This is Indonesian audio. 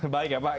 baik ya pak